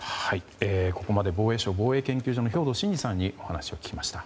ここまで防衛省防衛研究所の兵頭慎治さんにお話を聞きました。